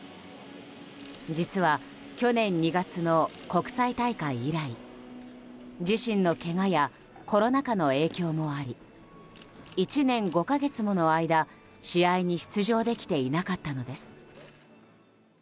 実は、去年２月の国際大会以来自身のけがやコロナ禍の影響もあり１年５か月もの間試合に出場できていなかったのです。